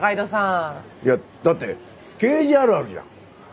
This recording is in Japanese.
いやだって刑事あるあるじゃん。